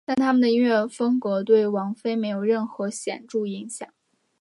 但他们的音乐风格对王菲没有任何显着影响。